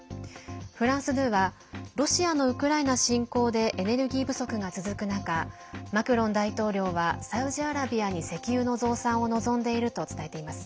フランス２はロシアのウクライナ侵攻でエネルギー不足が続く中マクロン大統領はサウジアラビアに石油の増産を望んでいると伝えています。